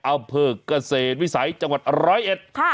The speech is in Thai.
อำเภอกเกษตรวิสัยจังหวัดร้อยเอ็ดค่ะ